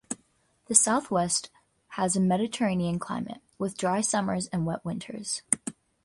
The South West has a Mediterranean climate, with dry summers and wet winters.